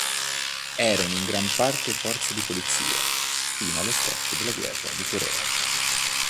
Erano in gran parte forze di polizia fino allo scoppio della Guerra di Corea.